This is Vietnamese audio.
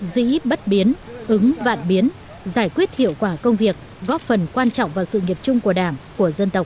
dĩ bất biến ứng vạn biến giải quyết hiệu quả công việc góp phần quan trọng vào sự nghiệp chung của đảng của dân tộc